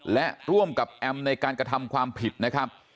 และร่วมกับแอมในการกระทำความผิดนะครับ